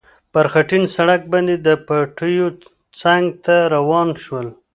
پر خټین سړک باندې د پټیو څنګ ته روان شول.